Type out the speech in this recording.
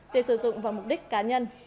để sử dụng vào mục đích cá nhân